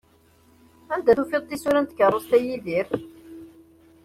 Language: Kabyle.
Anda i tufiḍ tisura n tkerrust, a Yidir?